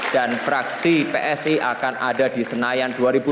dan fraksi psi akan ada di senayan dua ribu dua puluh empat